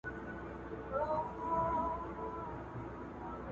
هر نوی نسل باید د زړو پوهانو تجربې وکاروي.